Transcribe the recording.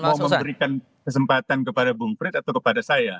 mau memberikan kesempatan kepada bung frits atau kepada saya